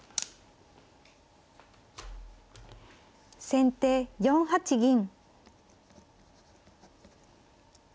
先手４八銀。